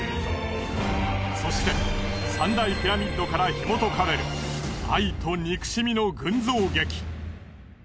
そして三大ピラミッドから紐解かれる愛と憎しみの群像劇。